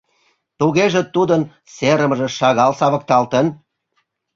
Тугеже тудын серымыже шагал савыкталтын.